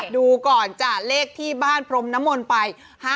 ดูก่อนจ้ะเลขที่บ้านพร้อมน้ำมนต์ไป